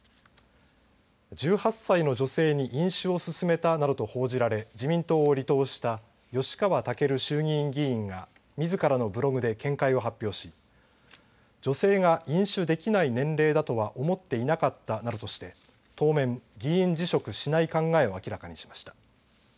１８歳の女性に飲酒を勧めたなどと報じられ自民党を離党した吉川赳衆議院議員がみずからのブログで見解を発表し女性が飲酒できない年齢だとは思っていなかったなどとして当面、議員辞職しない考えを明らかにしました。